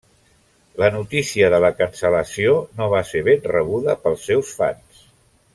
La notícia de la cancel·lació no va ser ben rebuda pels seus fans.